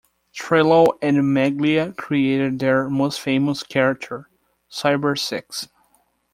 Trillo and Meglia created their most famous character, Cybersix.